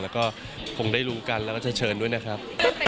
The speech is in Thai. แล้วก็คงได้รู้กันแล้วก็จะเชิญด้วยนะครับ